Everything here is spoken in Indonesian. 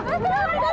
tangkap dia tangkap